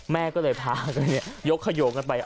แม่ก็เลยพากันขยวลงไปยกซ้ำมาเถอะ